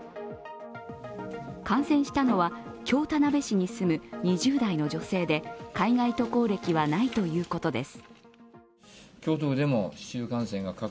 感染したのは京田辺市に住む２０代の女性で海外渡航歴はないということです。